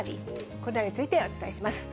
これらについてお伝えします。